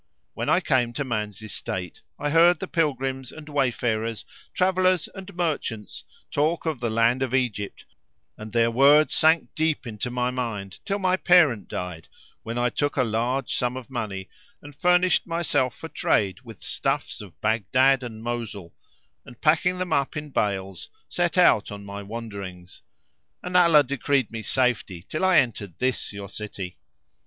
When I came to man's estate I heard the pilgrims and wayfarers, travellers and merchants talk of the land of Egypt and their words sank deep into my mind till my parent died, when I took a large sum of money and furnished myself for trade with stuffs of Baghdad and Mosul and, packing them up in bales, set out on my wanderings; and Allah decreed me safety till I entered this your city.